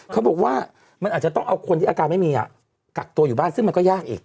เขาบอกว่ามันอาจจะต้องเอาคนที่อาการไม่มีกักตัวอยู่บ้านซึ่งมันก็ยากอีก